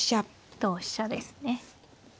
同飛車ですね。